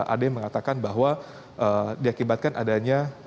ada yang mengatakan bahwa diakibatkan adanya